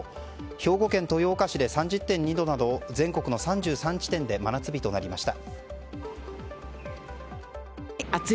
兵庫県豊岡市で３０．２度など全国の３３地点で真夏日となりました。